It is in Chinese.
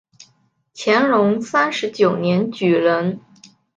乾隆三十九年举人。